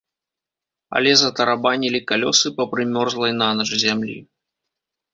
Але затарабанілі калёсы па прымёрзлай нанач зямлі.